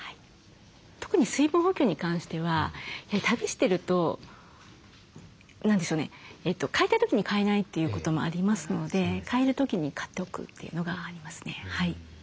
特に水分補給に関しては旅してると何でしょうね買いたい時に買えないということもありますので買える時に買っておくというのがありますね。